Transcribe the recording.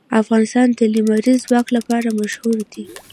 افغانستان د لمریز ځواک لپاره مشهور دی.